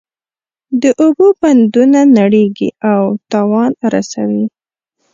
د اوبو بندونه نړیږي او تاوان رسوي.